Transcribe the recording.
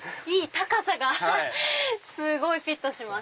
高さがすごいフィットします。